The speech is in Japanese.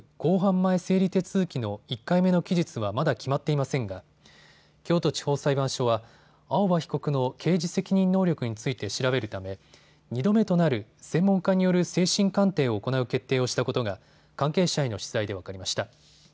前整理手続きの１回目の期日はまだ決まっていませんが京都地方裁判所は青葉被告の刑事責任能力について調べるため２度目となる専門家による精神鑑定を行う決定をしたことが関係者への取材で分かりました。